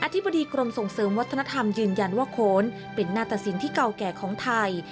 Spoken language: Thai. ธิบดีกรมส่งเสริมวัฒนธรรมยืนยันว่าโขนเป็นหน้าตะสินที่เก่าแก่ของไทย